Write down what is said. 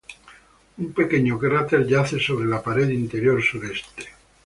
Un pequeño cráter yace sobre la pared interior sureste.